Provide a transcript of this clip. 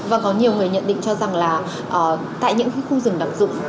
và có nhiều người nhận định cho rằng là tại những khu rừng đặc dụng